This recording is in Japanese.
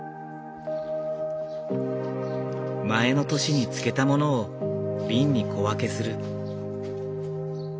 前の年に漬けたものを瓶に小分けする。